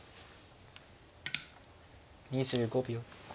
２５秒。